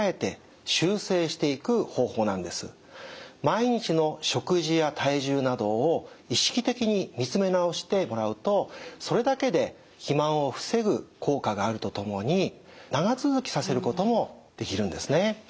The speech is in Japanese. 毎日の食事や体重などを意識的に見つめ直してもらうとそれだけで肥満を防ぐ効果があるとともに長続きさせることもできるんですね。